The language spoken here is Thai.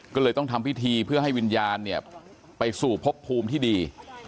ก็เลยต้องทำพิธีเพื่อให้วิญญาณเนี่ยไปสู่พบภูมิที่ดี